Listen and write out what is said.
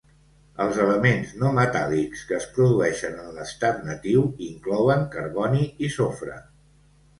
Els elements no metàl·lics que es produeixen en l'estat natiu inclouen carboni i sofre.